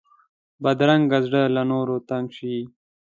بدرنګه زړه له نورو تنګ شي